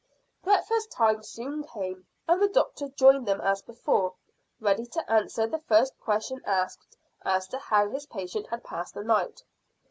Breakfast time soon came, and the doctor joined them as before, ready to answer the first question asked as to how his patient had passed the night.